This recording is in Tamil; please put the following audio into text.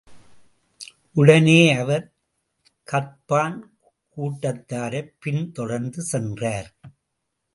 உடனே அவர் கத்பான் கூட்டத்தாரைப் பின்தொடர்ந்து சென்றார்.